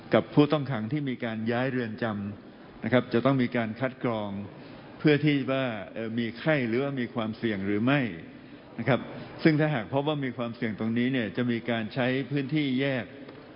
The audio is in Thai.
กับผู้ต้องขังที่มีการย้ายเรือนจำนะครับ